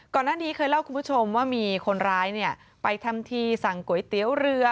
ก่อนหน้านี้เคยเล่าคุณผู้ชมว่ามีคนร้ายไปทำทีสั่งก๋วยเตี๋ยวเรือ